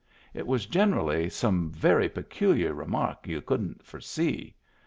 It was generally some very peculiar remark y'u couldn't foresee.